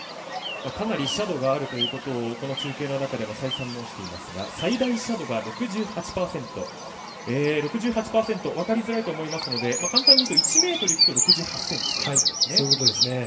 かなり斜度があるということをこの中継の中でも再三、申していますが最大斜度が６８％、分かりづらいと思いますので簡単に言うと１ｍいくと６８ｃｍということです。